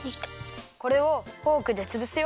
これをフォークでつぶすよ。